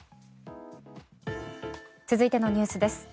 続いてのニュースです。